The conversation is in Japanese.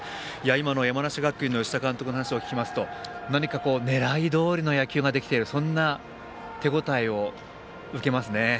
今の山梨学院の吉田監督の話を聞きますと狙いどおりの野球ができているそんな手応えを受けますね。